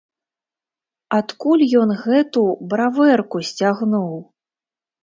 Адкуль ён гэту бравэрку сцягнуў?